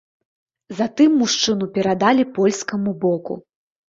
Затым мужчыну перадалі польскаму боку.